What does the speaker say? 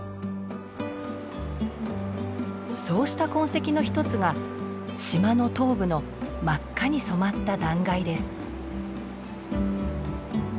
そうした痕跡の一つが島の東部の真っ赤に染まった断崖です。